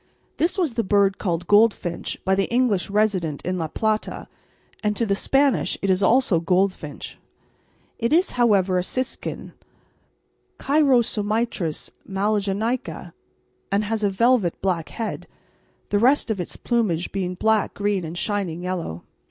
This was the bird called "goldfinch" by the English resident in La Plata, and to the Spanish it is also goldfinch; it is, however, a siskin, Chrysomitris magellanica, and has a velvet black head, the rest of its plumage being black, green, and shining yellow.